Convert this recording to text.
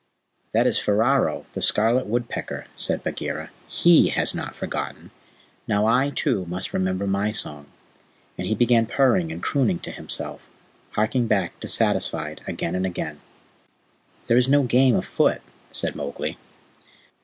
"That is Ferao, the scarlet woodpecker," said Bagheera. "HE has not forgotten. Now I, too, must remember my song," and he began purring and crooning to himself, harking back dissatisfied again and again. "There is no game afoot," said Mowgli.